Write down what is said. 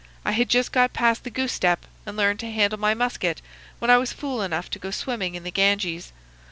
I had just got past the goose step, and learned to handle my musket, when I was fool enough to go swimming in the Ganges.